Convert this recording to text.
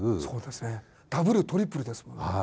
そうですねダブルトリプルですもんね。